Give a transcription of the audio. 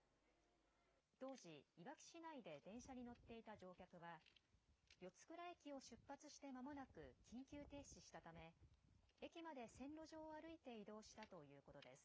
当時、いわき市内で電車に乗っていた乗客は四ツ倉駅を出発してまもなく緊急停止したため駅まで線路上を歩いて移動したということです。